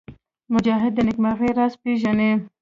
مجاهد د نېکمرغۍ راز پېژني.